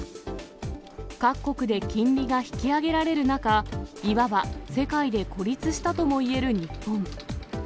各国で金利が引き上げられる中、いわば世界で孤立したともいえる日本。